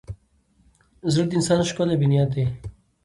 زړه د انسان ښکلی بنیاد دی.